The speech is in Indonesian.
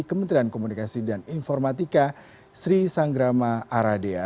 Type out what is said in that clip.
kementerian komunikasi dan informatika sri sanggrama aradea